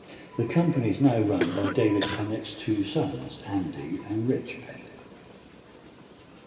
The company is now run by David Pennock’s two sons Andy and Rich Pennock.